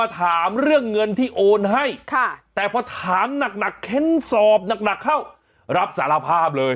ถามเรื่องเงินที่โอนให้แต่พอถามหนักเค้นสอบหนักเข้ารับสารภาพเลย